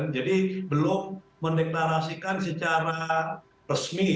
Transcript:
jadi belum mendeklarasikan secara resmi